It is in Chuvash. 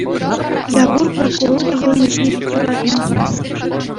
Якур прокурор та хӑйӗн ӗҫне пит юратнӑ.